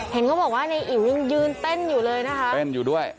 เห็นเขาบอกว่าในอิ๋วยังยืนเต้นอยู่เลยนะคะเต้นอยู่ด้วย